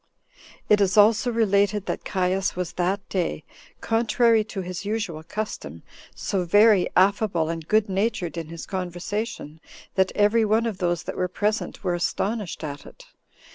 It is also related that Caius was that day, contrary to his usual custom, so very affable and good natured in his conversation, that every one of those that were present were astonished at it.